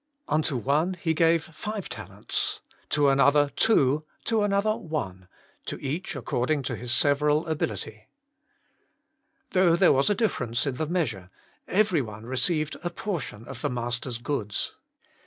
' Unto one he gave five talents, to another two, to another one ; to each according to his several ability/ Though there was a dif ference in the measure, every one received a portion of the master's goods.